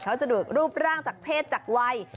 เขาจะดูดรูปร่างจากเพศจากวัย